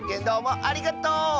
どうもありがとう！